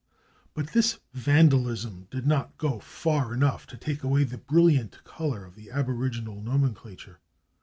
But this vandalism did not go far enough to take away the brilliant color of the aboriginal nomenclature.